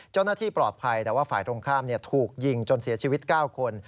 เจ้าหน้าที่ปลอดภัยแต่ว่าฝ่ายตรงข้ามถูกยิงจนเสียชีวิต๙คน